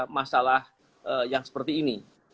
masalah yang seperti ini